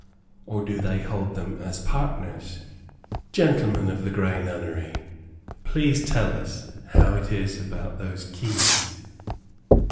Or, do they hold them as partners? Gentlemen of the Grey Nunnery, please tell us how it is about those keys.